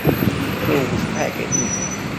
这五十块给你